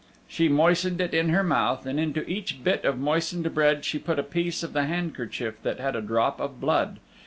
She moistened it in her mouth, and into each bit of moistened bread she put a piece of the handkerchief that had a drop of blood.